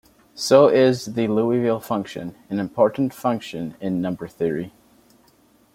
So is the Liouville function, an important function in number theory.